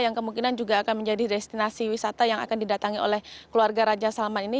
yang kemungkinan juga akan menjadi destinasi wisata yang akan didatangi oleh keluarga raja salman ini